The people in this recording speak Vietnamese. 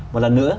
một lần nữa